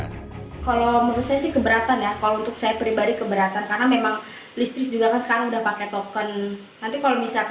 nanti kalau misalkan habis ya kan kita sibuk sibuk sih nyarinya